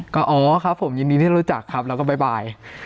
ก็อ๋อครับผมยินดีที่รู้จักครับแล้วก็บ๊าย